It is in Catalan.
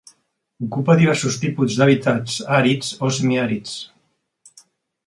Ocupa diversos tipus d'hàbitats àrids o semiàrids.